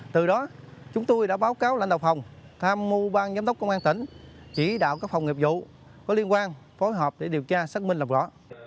từ đó chúng tôi đã báo cáo lãnh đạo phòng tham mưu bang giám đốc công an tỉnh chỉ đạo các phòng nghiệp vụ có liên quan phối hợp để điều tra xác minh làm rõ